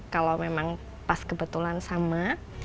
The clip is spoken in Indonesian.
kalau memang pas kebetulan sama